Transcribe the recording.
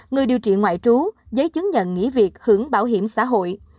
người điều trị ngoại trú giấy chứng nhận nghỉ việc hưởng bảo hiểm xã hội